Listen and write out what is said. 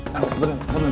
tunggu tunggu tunggu